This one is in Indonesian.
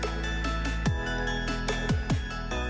dan juga berwarna putih